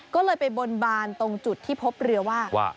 ก็เลยไปบนบานตรงจุดที่พบเรือว่า